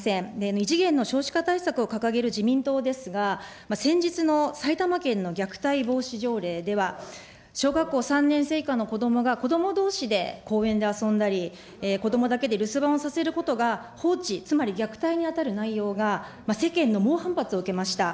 異次元の少子化対策を掲げる自民党ですが、先日の埼玉県の虐待防止条例では、小学校３年生以下の子どもが、子どもどうしで公園で遊んだり、子どもだけで留守番をさせることが放置、つまり虐待に当たる内容が、世間の猛反発を受けました。